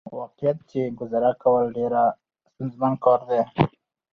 واقعيت چې ګزاره کول ډېره ستونزمن کار دى .